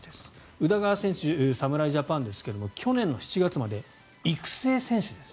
宇田川選手は侍ジャパンですが去年の７月まで育成選手です。